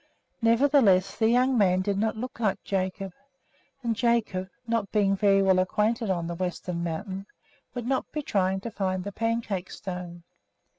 Nevertheless the young man did not look like Jacob; and Jacob, not being very well acquainted on the western mountain, would not be trying to find the Pancake Stone.